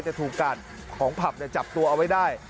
ถูกกาดของผับจับตัวเอาไว้ได้